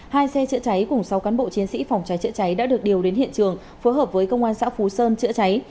hai xe chữa cháy cùng sáu cán bộ chiến sĩ phòng cháy chữa cháy đã được điều đến hiện trường phối hợp với công an xã phú sơn chữa cháy